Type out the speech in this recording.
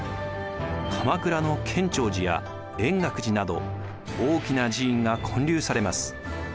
鎌倉の建長寺や円覚寺など大きな寺院が建立されます。